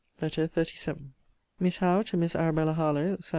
LETTER XXXVII MISS HOWE, TO MISS ARABELLA HARLOWE SAT.